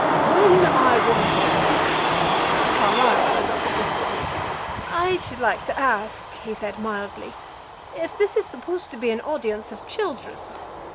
When I was a boy " Carlyle rose up at this point. "I should like to ask," he said, mildly, "if this is supposed to be an audience of children?